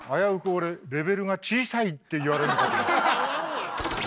俺「レベルが小さい」って言われるのかと思った。